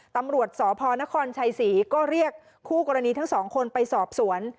ตำรวจสพนครชัยศรีก็เรียกคู่กรณีทั้งสองคนไปสอบสวน